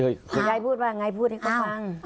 ยายบูตรว่าไงพูดให้คุณฟัง